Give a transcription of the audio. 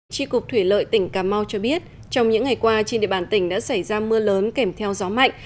tri cục thủy lợi tỉnh cà mau cho biết trong những ngày qua trên địa bàn tỉnh đã xảy ra mưa lớn kèm theo gió mạnh